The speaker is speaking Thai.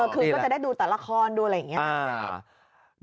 คืนก็จะได้ดูแต่ละครดูอะไรอย่างนี้